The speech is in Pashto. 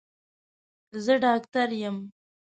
زه ډاکټر يم.